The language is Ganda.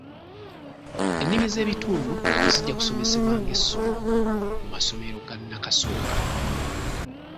Ennimi z’ebitundu zijja kusomesebwa ng’essomo mu masomero ga nnakasooka.